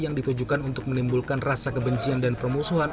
yang ditujukan untuk menimbulkan rasa kebencian dan permusuhan